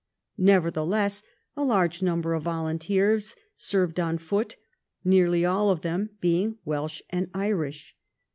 Nevertheless, a large number of volunteers served on foot, nearly all of them being Welsh and Irish.